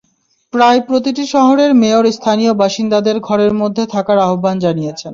প্রায় প্রতিটি শহরের মেয়র স্থানীয় বাসিন্দাদের ঘরের মধ্যে থাকার আহ্বান জানিয়েছেন।